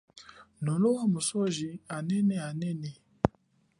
Nolowa misoji anene anene.